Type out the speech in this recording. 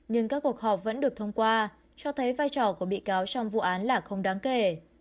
nhưng các cuộc họp vẫn được thông qua cho thấy vai trò của bị cáo trong vụ án là không đáng kể